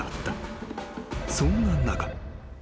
［そんな中］